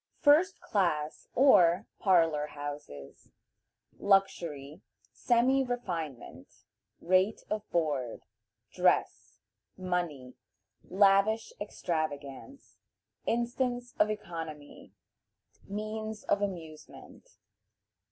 First Class, or "Parlor Houses." Luxury. Semi refinement. Rate of Board. Dress. Money. Lavish Extravagance. Instance of Economy. Means of Amusement.